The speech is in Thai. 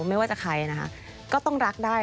ไม่ว่าจะใครนะคะก็ต้องรักได้